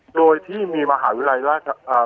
โดยที่มีมหาวิทยาลัยแห่งนะครับ